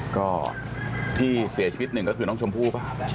ก็ที่เสียชีวิตหนึ่งก็คือน้องชมพู่ป่ะ